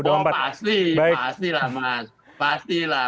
dong pasti pastilah mas pastilah